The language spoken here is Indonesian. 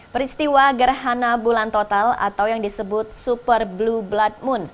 peristiwa gerhana bulan total atau yang disebut super blue blood moon